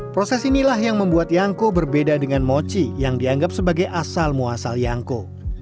proses inilah yang membuat yangko berbeda dengan mochi yang dianggap sebagai asal muasal yangko